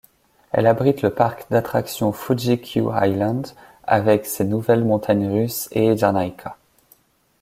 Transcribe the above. Elle abrite le parc d'attractions Fuji-Q Highland avec ses nouvelles montagnes russes Eejanaika.